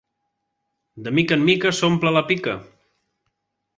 De mica en mica s'omple la pica